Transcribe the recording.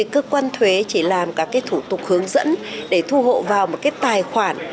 cơ quan thuế chỉ làm các thủ tục hướng dẫn để thu hộ vào một tài khoản